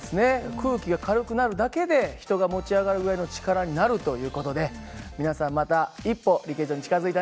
空気が軽くなるだけで人が持ち上がるぐらいの力になるという事で皆さんまた一歩リケジョに近づいたね。